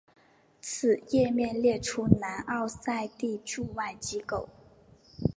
此页面列出南奥塞梯驻外机构。